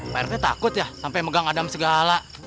pak rt takut ya sampai megang adam segala